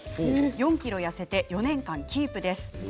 ４ｋｇ痩せて４年間キープです。